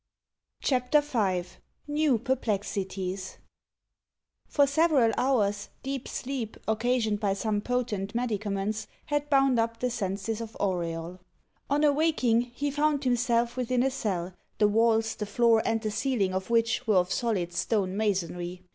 CHAPTER V NEW PERPLEXITIES For several hours deep sleep, occasioned by some potent medicaments, had bound up the senses of Auriol. On awaking, he found himself within a cell, the walls, the floor, and the ceiling of which were of solid stone masonry.